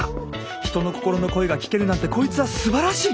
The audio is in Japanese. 人の心の声が聞けるなんてこいつはすばらしい！